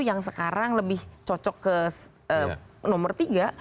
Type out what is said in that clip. yang sekarang lebih cocok ke nomor tiga